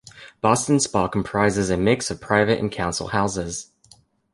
Boston Spa comprises a mix of private and council houses.